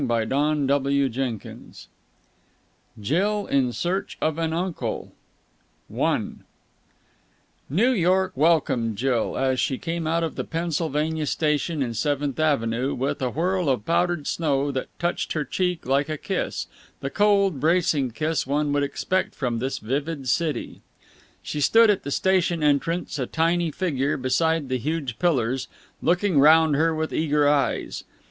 CHAPTER IX JILL IN SEARCH OF AN UNCLE I New York welcomed Jill, as she came out of the Pennsylvania Station in Seventh Avenue, with a whirl of powdered snow that touched her cheek like a kiss, the cold, bracing kiss one would expect from this vivid city. She stood at the station entrance, a tiny figure beside the huge pillars, looking round her with eager eyes.